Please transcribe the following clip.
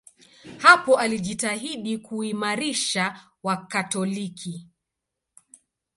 Hapo alijitahidi kuimarisha Wakatoliki.